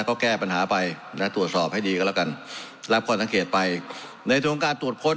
ก็แก้ปัญหาไปนะตรวจสอบให้ดีก็แล้วกันรับข้อสังเกตไปในตรงการตรวจค้น